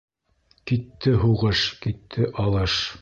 Китте һуғыш, китте алыш.